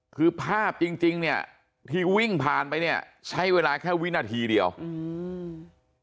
คือภาพจริงจริงเนี้ยที่วิ่งผ่านไปเนี้ยใช้เวลาแค่วินาทีเดียวอืม